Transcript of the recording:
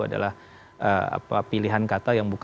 ada yang berbicara tentang hal hal yang baru